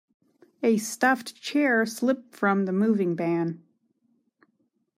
A stuffed chair slipped from the moving van.